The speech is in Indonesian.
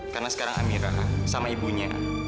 karena sekarang amira sama ibunya